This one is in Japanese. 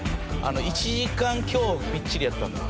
１時間強みっちりやったんで。